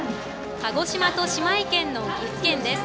鹿児島と姉妹県の岐阜県です。